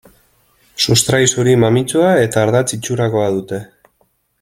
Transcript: Sustrai zuri mamitsua eta ardatz itxurakoa dute.